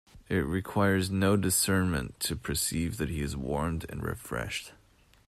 It requires no discernment to perceive that he is warmed and refreshed.